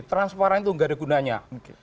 transparan itu nggak ada gunanya